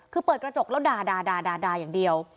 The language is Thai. คือเปิดกระจกแล้วด่าอย่างเดียว